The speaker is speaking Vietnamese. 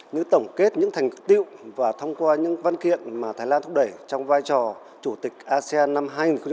như tổng kết những thành tựu và thông qua những văn kiện mà thái lan thúc đẩy trong vai trò chủ tịch asean năm hai nghìn một mươi chín